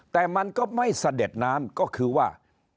แต่มันก็ไม่เสด็จน้ำก็คือว่า